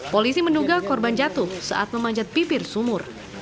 polisi menduga korban jatuh saat memanjat bibir sumur